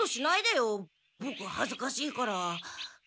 ボクはずかしいから。